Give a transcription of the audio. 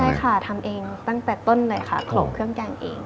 ใช่ค่ะทำเองตั้งแต่ต้นเลยค่ะโขลงเครื่องแกงเอง